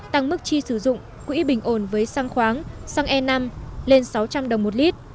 tăng mức chi sử dụng quỹ bình ổn với xăng khoáng xăng e năm lên sáu trăm linh đồng một lít